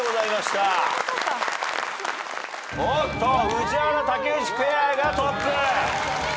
おっと宇治原・竹内ペアがトップ。